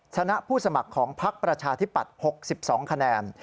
ชนะผู้สมัครของพักประชาธิปัตย์๖๒คะแนน